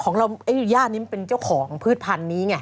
ของเราไอ้ย่านี้มันเป็นเจ้าของพืชพันธุ์นี้ไง